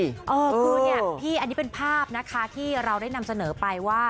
คือเนี่ยพี่อันนี้เป็นภาพนะคะที่เราได้นำเสนอไปว่า